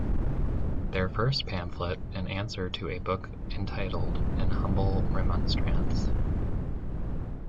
Their first pamphlet, An Answer to a booke entituled, An Humble Remonstrance.